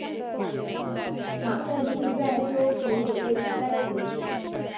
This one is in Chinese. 马萨诸塞州也有类似灾情。